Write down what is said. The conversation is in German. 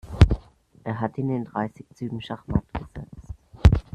Er hat ihn in dreißig Zügen schachmatt gesetzt.